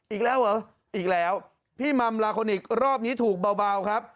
อีกแล้วเหรออีกแล้วพี่มัมลาคนอีกรอบนี้ถูกเบาครับ